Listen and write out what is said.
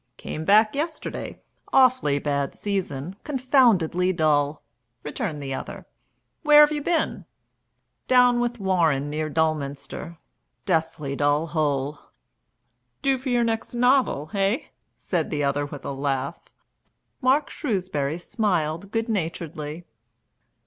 "Came back yesterday awfully bad season confoundedly dull," returned the other. "Where have you been?" "Down with Warren near Dulminster. Deathly dull hole." "Do for your next novel. Eh?" said the other with a laugh. Mark Shrewsbury smiled good naturedly.